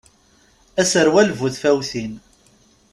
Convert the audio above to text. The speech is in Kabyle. Aserwal bu tfawtin.